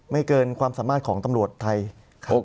เกินความสามารถของตำรวจไทยครับ